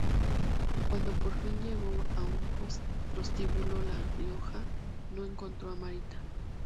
Cuando por fin llegó a un prostíbulo de La Rioja, no encontró a Marita.